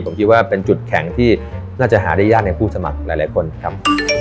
ผมคิดว่าเป็นจุดแข็งที่น่าจะหาได้ยากในผู้สมัครหลายคนครับ